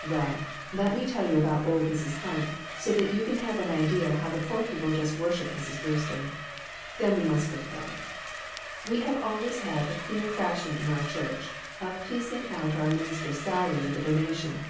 "Well, let me tell you about old Mrs. Hunt, so that you can have an idea how the poor people just worship Mrs. Brewster. Then we must go to bed. We have always had a queer fashion in our church of piecing out our minister's salary with a donation.